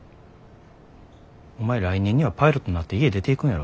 お前来年にはパイロットになって家出ていくんやろ。